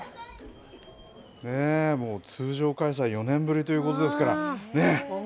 もう通常開催、４年ぶりということですから。